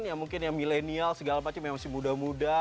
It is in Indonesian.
yang mungkin yang milenial segala macam yang masih muda muda